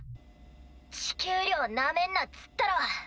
地球寮なめんなっつったろ。